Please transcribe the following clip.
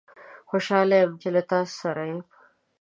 خوشحال یم چې له تاسوسره یم